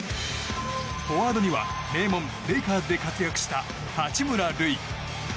フォワードには名門レイカーズで活躍した八村塁。